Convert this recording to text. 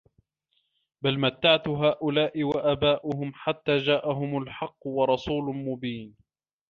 بَل مَتَّعتُ هؤُلاءِ وَآباءَهُم حَتّى جاءَهُمُ الحَقُّ وَرَسولٌ مُبينٌ